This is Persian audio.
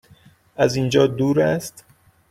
از اینجا دور است؟